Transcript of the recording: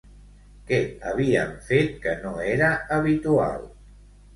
Què havien fet que no era habitual?